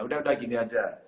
udah udah gini aja